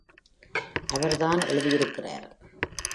அவர் தான் எழுதியிருக்கிறார்!